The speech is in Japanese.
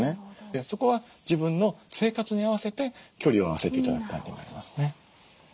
そこは自分の生活に合わせて距離を合わせて頂く感じになりますね。